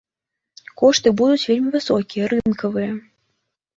Кошты будуць вельмі высокія, рынкавыя.